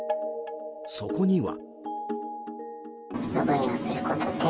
そこには。